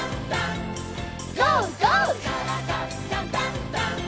「からだダンダンダン」